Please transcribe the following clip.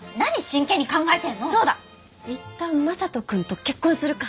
一旦正門君と結婚するか。